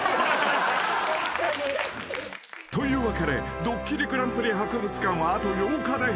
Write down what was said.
［というわけでドッキリＧＰ博物館はあと８日で閉館。